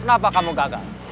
kenapa kamu gagal